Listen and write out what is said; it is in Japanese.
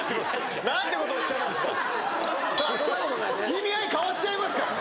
意味合い変わっちゃいますから。